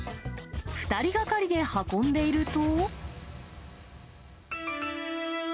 ２人がかりで運んでいると。